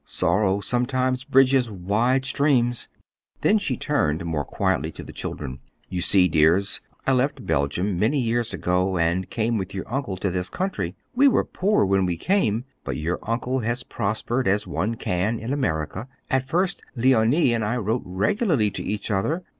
Sorrow sometimes bridges wide streams!" Then she turned more quietly to the children. "You see, dears," she said, "I left Belgium many years ago, and came with your uncle to this country. We were poor when we came, but your uncle has prospered as one can in America. At first Leonie and I wrote regularly to each other.